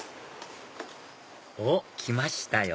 おっ来ましたよ